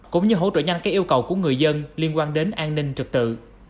cũng như hỗ trợ nhanh các yêu cầu của người dân liên quan đến an ninh trực tự